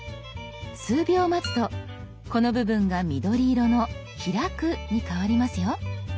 数秒待つとこの部分が緑色の「開く」に変わりますよ。